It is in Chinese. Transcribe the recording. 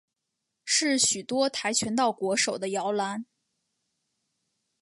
是许多跆拳道国手的摇篮。